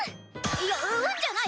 いやうんじゃない！